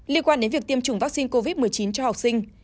liên quan đến việc tiêm chủng vaccine covid một mươi chín cho học sinh